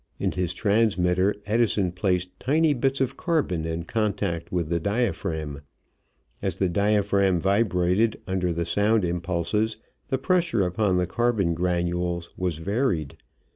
In his transmitter Edison placed tiny bits of carbon in contact with the diaphragm. As the diaphragm vibrated under the sound impulses the pressure upon the carbon granules was varied.